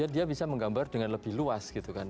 dia bisa menggambar dengan lebih luas gitu kan